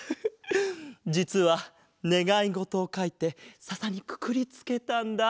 じつはねがいごとをかいてささにくくりつけたんだ。